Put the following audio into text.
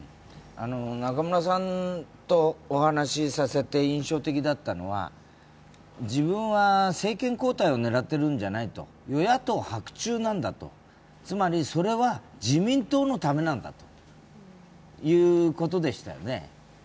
中村さんとお話しして印象的だったのは、自分は政権交代を狙っているんじゃない与野党伯仲なんだと、つまり、それは自民党のためなんだということでしたよね。